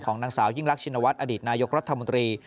นางสาวยิ่งรักชินวัฒนอดีตนายกรัฐมนตรี